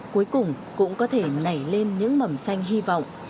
cuối cùng cũng có thể nảy lên những mầm xanh hy vọng